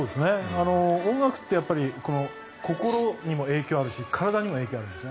音楽って心にも影響があるし体にも影響があるんです。